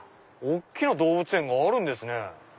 大きな動物園があるんですね。